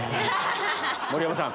盛山さん。